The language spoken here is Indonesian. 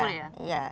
oh dibukulin ya